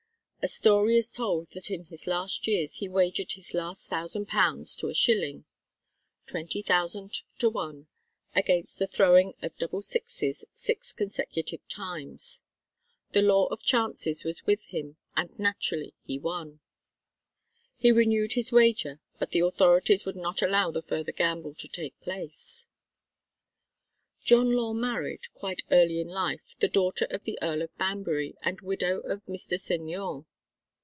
A story is told that in his last years he wagered his last thousand pounds to a shilling (20,000 to 1) against the throwing of double sixes six consecutive times. The law of chances was with him and naturally he won. He renewed his wager but the authorities would not allow the further gamble to take place. John Law married, quite early in life, the daughter of the Earl of Banbury and widow of Mr. Seignior.